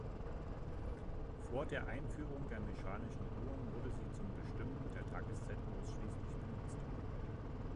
Vor der Einführung der mechanischen Uhren wurde sie zum Bestimmen der Tageszeit ausschließlich benutzt.